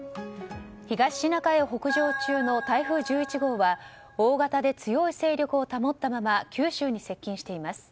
東シナ海を北上中の台風１１号は大型で強い勢力を保ったまま九州に接近しています。